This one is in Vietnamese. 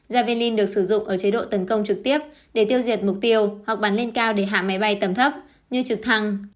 javilin được sử dụng ở chế độ tấn công trực tiếp để tiêu diệt mục tiêu hoặc bắn lên cao để hạ máy bay tầm thấp như trực thăng